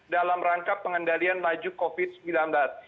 dalam rangka pengendalian maju covid sembilan belas